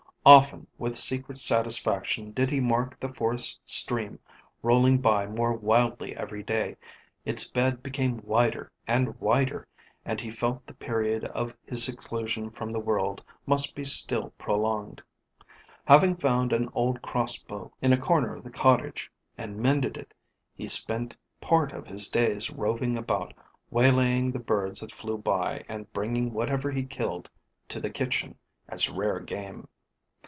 Often, with secret satisfaction, did he mark the forest stream rolling by more wildly every day; its bed became wider and wider, and he felt the period of his seclusion from the world must be still prolonged. Having found an old crossbow in a corner of the cottage, and mended it, he spent part of his days roving about, waylaying the birds that flew by, and bringing whatever he killed to the kitchen, as rare game.